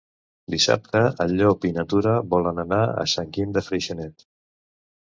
Dissabte en Llop i na Tura volen anar a Sant Guim de Freixenet.